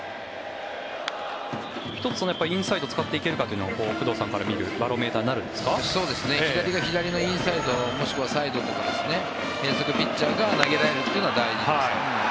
１つ、インサイドを使っていけるかというのは工藤さんから見ると左が左のインサイドもしくはサイドか変則ピッチャーが投げられるというのは大事ですね。